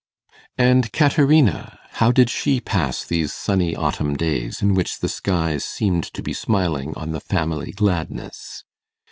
And Caterina? How did she pass these sunny autumn days, in which the skies seemed to be smiling on the family gladness?